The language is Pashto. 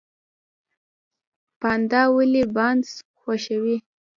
پاندا ولې بانس خوښوي؟